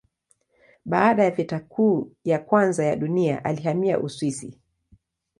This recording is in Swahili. Baada ya Vita Kuu ya Kwanza ya Dunia alihamia Uswisi.